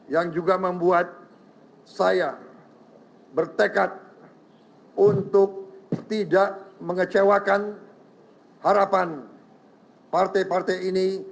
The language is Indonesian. yang juga membuat saya bertekad untuk tidak mengecewakan harapan partai partai ini